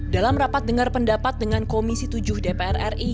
dalam rapat dengar pendapat dengan komisi tujuh dpr ri